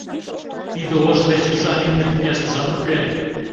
Тиде ожо деч ушан имне тӱняштыжат уке!